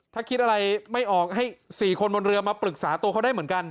ถ้าคิดอะไรไม่ออกให้๔คนบนเรือมาปรึกษาตัวเขาได้เหมือนกัน